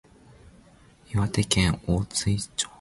岩手県大槌町